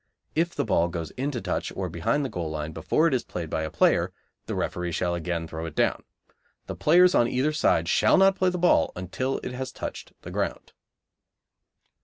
If the ball goes into touch or behind the goal line before it is played by a player, the referee shall again throw it down. The players on either side shall not play the ball until it has touched the ground.